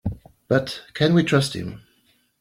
But can we trust him?